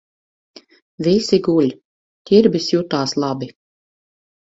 Visi guļ. Ķirbis jutās labi.